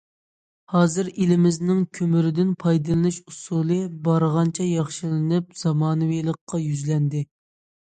ھازىر ئېلىمىزنىڭ كۆمۈردىن پايدىلىنىش ئۇسۇلى بارغانچە ياخشىلىنىپ، زامانىۋىلىققا يۈزلەندى.